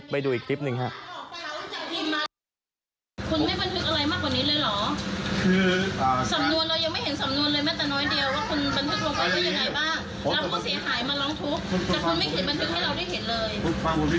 ไปดูอีกคลิปหนึ่งครับ